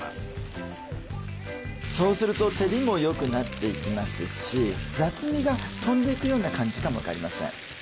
そうすると照りもよくなっていきますし雑味が飛んでいくような感じかも分かりません。